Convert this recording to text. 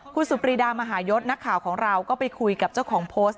คุณสุปรีดามหายศนักข่าวของเราก็ไปคุยกับเจ้าของโพสต์